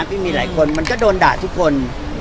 พี่มีหลายคนมันก็โดนด่าทุกคน